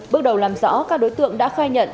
bước đầu làm rõ các đối tượng đã khai nhận